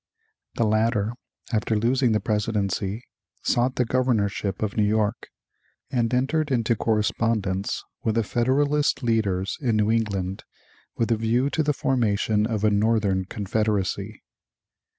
The latter, after losing the presidency, sought the governorship of New York, and entered into correspondence with the Federalist leaders in New England with a view to the formation of a Northern confederacy.